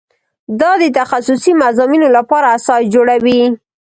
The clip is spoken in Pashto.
دا د تخصصي مضامینو لپاره اساس جوړوي.